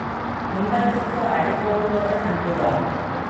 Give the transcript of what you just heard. இன்பத்துக்கு அடிகோலுவதே அன்புதான்.